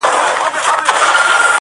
ستا خو به لاس پهٔ تيږه نه وي ژوبل